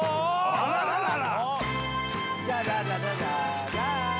あらららら！